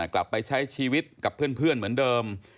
กลับไปใช้ชีวิตกับเพื่อนเหมือนเดิม